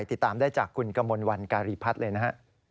ติดตามได้จากคุณกมลวันการีพัฒน์เลยนะฮะ